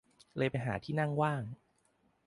เลยไปหาที่นั่งว่าง